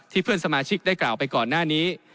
เพื่อนสมาชิกได้กล่าวไปก่อนหน้านี้